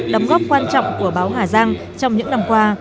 đóng góp quan trọng của báo hà giang trong những năm qua